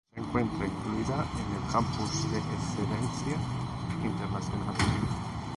Se encuentra incluida en el campus de excelencia internacional.